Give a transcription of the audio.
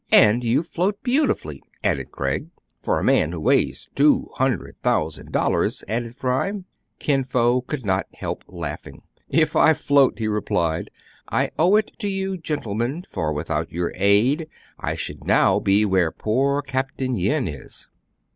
"And you float beautifully "— added Craig. " For a man who weighs two hundred thousand dollars !" added Fry. Kin Fo could not help laughing. " If I float," he replied, " I owe it to you, gentle men ; for, without your aid, I should now be where poor Capt. Yin is."